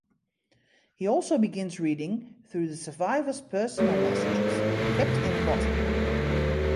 He also begins reading through the survivors' personal messages, kept in a bottle.